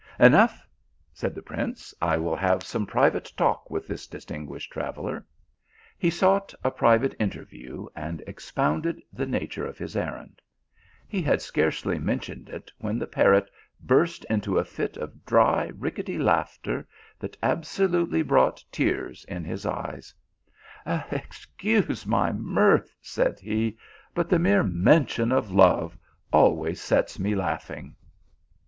" Enough," said the prince, " I will have some private talk with this distinguished traveller." He sought a private interview, and expounded the nature of his errand. He had scarcely mention ed it when the parrot burst into a fit of dry rickety laughter, that absolutely brought tears in his eyes. THE PILGRIM OF LOVE. 207 Excuse my mirth," said he, " but the mere mention of love always sets me laughing."